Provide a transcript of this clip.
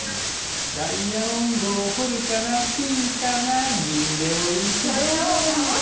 ダイヤモンドを掘るかな金かな銀でもいいし銅でもいいし。